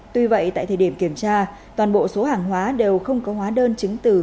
tuy vậy tại thời điểm kiểm tra toàn bộ số hàng hóa đều không có hóa đơn chứng từ